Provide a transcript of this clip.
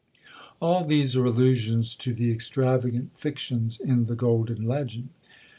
All these are allusions to the extravagant fictions in the "Golden Legend."